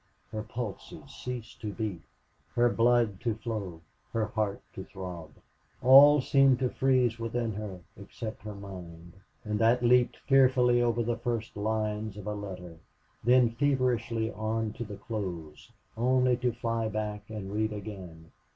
Her pulses ceased to beat, her blood to flow, her heart to throb. All seemed to freeze within her except her mind. And that leaped fearfully over the first lines of a letter then feverishly on to the close only to fly back and read again.